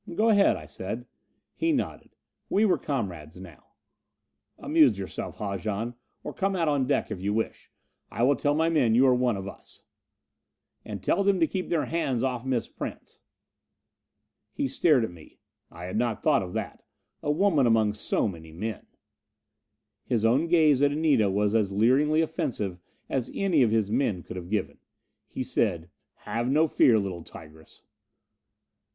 "Go ahead," I said. He nodded. We were comrades now. "Amuse yourself, Haljan. Or come out on deck if you wish. I will tell my men you are one of us." "And tell them to keep their hands off Miss Prince." He stared at me. "I had not thought of that a woman among so many men." His own gaze at Anita was as leeringly offensive as any of his men could have given. He said, "Have no fear, little tigress."